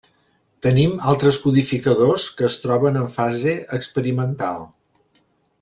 Tenim altres codificadors que es troben en fase experimental.